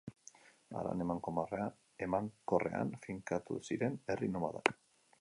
Haran emankorrean finkatu ziren herri nomadak.